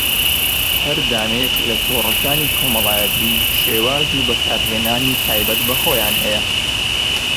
هەر دانەیەک لە تۆڕەکانی کۆمەڵایەتی شێواز و بەکارهێنەری تایبەت بەخۆیان هەیە